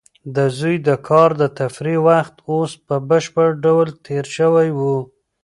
د زوی د کار د تفریح وخت اوس په بشپړ ډول تېر شوی و.